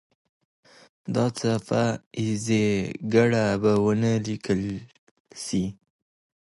دا څپه ایزه ګړه به ونه لیکل سي.